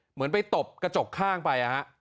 เหมือนไปตบกระจกข้างไป